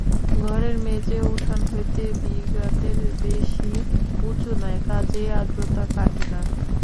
ঘরের মেঝে উঠান হইতে বিঘাতের বেশি উঁচু নয়, কাজেই আদ্রতা কাটে না।